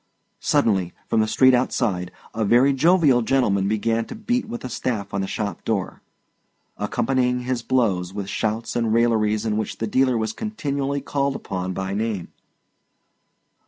Suddenly, from the street outside, a very jovial gentleman began to beat with a staff on the shop door, accompanying his blows with shouts and railleries in which the dealer was continually called upon by name.